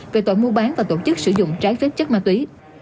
về tội mua bán và tổ chức sử dụng trái phép chất ma túy